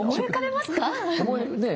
ねえ。